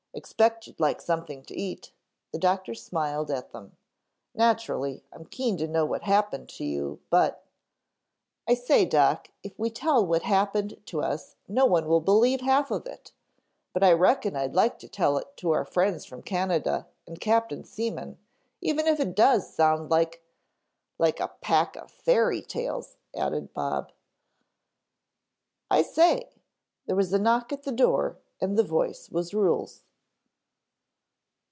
Expect you'd like something to eat," the doctor smiled at them. "Naturally I'm keen to know what happened to you, but " "I say Doc, if we tell what happened to us no one will believe half of it, but I reckon I'd like to tell it to our friends from Canada and Captain Seaman, even if it does sound like " "Like a pack of fairy tales," added Bob. "I say," there was a knock at the door and the voice was Ruhel's.